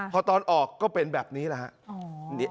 พอตอนออกก็เป็นแบบนี้แหละครับ